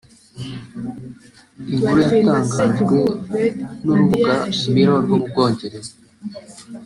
Inkuru yatanganjwe n’urubuga Mirror rwo mu Bwongereza